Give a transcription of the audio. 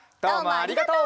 ありがとう。